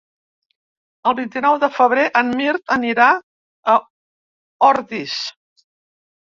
El vint-i-nou de febrer en Mirt anirà a Ordis.